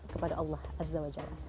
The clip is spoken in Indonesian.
kepada allah azza wa jalla